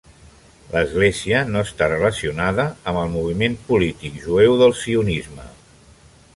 L'església no està relacionada amb el moviment polític jueu del sionisme.